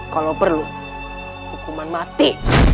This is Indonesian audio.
kalau perlu hukuman mati